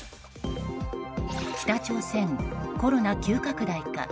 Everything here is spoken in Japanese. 北朝鮮コロナ急拡大か。